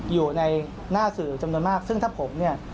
อยู่ในหน้าสื่อจำนวนมากซึ่งถ้าผมเนี่ย